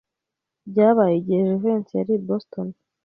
Byabaye igihe Jivency yari i Boston.